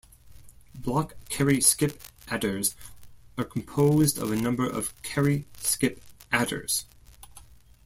Block-carry-skip adders are composed of a number of carry-skip adders.